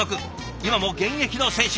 今も現役の選手。